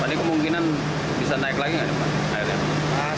pada kemungkinan bisa naik lagi nggak ya pak